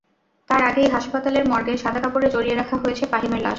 তার আগেই হাসপাতালের মর্গে সাদা কাপড়ে জড়িয়ে রাখা হয়েছে ফাহিমের লাশ।